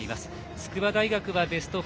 筑波大学はベスト４。